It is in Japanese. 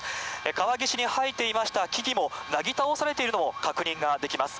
川岸に生えていました木々も、なぎ倒されているのも確認ができます。